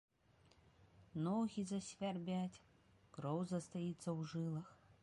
Ногі засвярбяць, кроў застаіцца ў жылах.